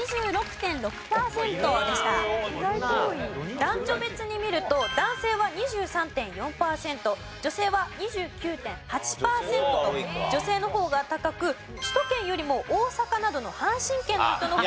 男女別に見ると男性は２３．４パーセント女性は２９．８パーセントと女性の方が高く首都圏よりも大阪などの阪神圏の人の方が。